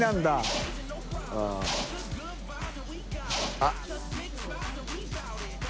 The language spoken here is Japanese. あっ！